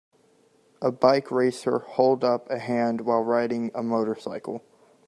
A bike racer hold up a hand while riding a motorcycle.